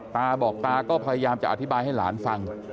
ตาบอกตาก็พยายามจะอธิบายให้หลานฟัง